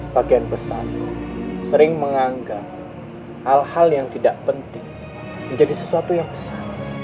sebagian besar sering menganggap hal hal yang tidak penting menjadi sesuatu yang besar